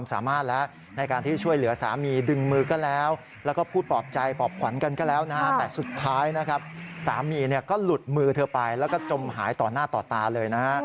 สามีก็หลุดมือเธอไปแล้วก็จมหายต่อหน้าต่อตาเลยนะฮะ